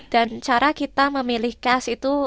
dan cara kita memilih keseh itu